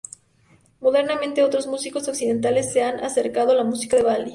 Modernamente, otros músicos occidentales se han acercado a la música de Bali.